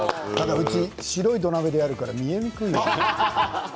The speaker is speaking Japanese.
うち、白い土鍋でやるから見えにくい。